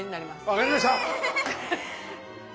分かりました！